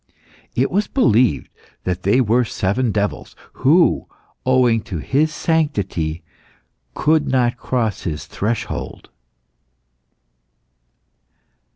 It was believed that they were seven devils, who, owing to his sanctity, could not cross his threshold.